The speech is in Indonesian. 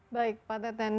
baik pak teten